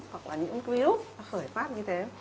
hoặc là những virus khởi phát như thế